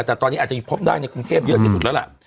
แต่ตอนนี้อาจจะพบได้ในกรุงเทพเยอะที่สุดแล้วล่ะ